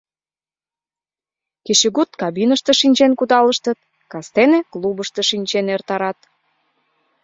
Кечыгут кабиныште шинчен кудалыштыт, кастене клубышто шинчен эртарат.